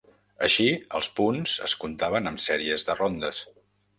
Així, els punts es contaven amb sèries de rondes.